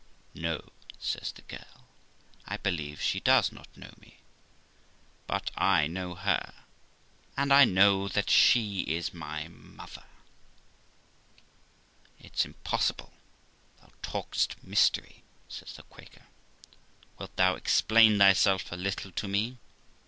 'No', says the girl, 'I believe she does not know me, but I know her ; and I know that she is my mother.' ' It's impossible, thou talk'st mystery I ' says the Quaker ;' wilt thou explain thyself a little to me